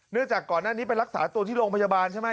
จากก่อนหน้านี้ไปรักษาตัวที่โรงพยาบาลใช่ไหม